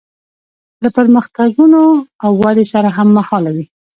له پرمختګونو او ودې سره هممهاله وي.